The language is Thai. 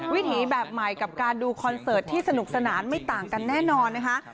วิถีแบบใหม่กับการดูคอนเสิร์ตที่สนุกสนานไม่ต่างกันแน่นอนนะคะ